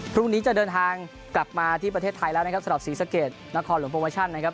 พรุ่งนี้จะเดินทางกลับมาที่ประเทศไทยแล้วนะครับสำหรับศรีสะเกดนครหลวงโปรโมชั่นนะครับ